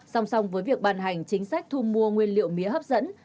song song với việc bàn hành chính sách thu mua nguyên liệu mía hấp dẫn